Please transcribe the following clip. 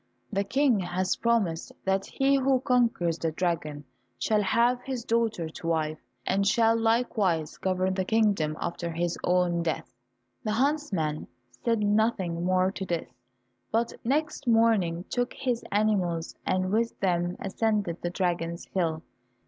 The King has promised that he who conquers the dragon shall have his daughter to wife, and shall likewise govern the kingdom after his own death." The huntsman said nothing more to this, but next morning took his animals, and with them ascended the dragon's hill.